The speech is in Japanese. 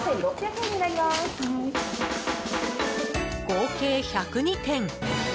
合計１０２点。